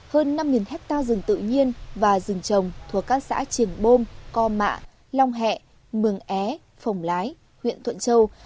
hơn năm hecta rừng tự nhiên và rừng trồng thuộc các xã trường bôm co mạ long hẹ mường é phồng lái huyện thuận châu